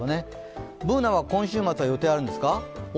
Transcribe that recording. Ｂｏｏｎａは今週末は予定あるんですか